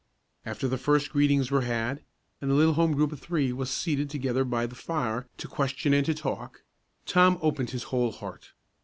After the first greetings were had, and the little home group of three was seated together by the fire to question and to talk, Tom opened his whole heart.